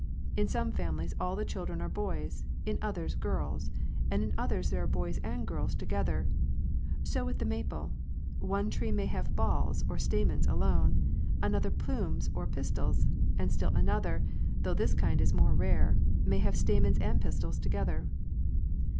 In some families all the children are boys, in others girls, and in others there are boys and girls together, so with the maple, one tree may have balls or sia " 1. stImInIte flowbb"" mens alone, another plumes or pistils, and still another (though this kind is more rare) may have stamens and pistils together.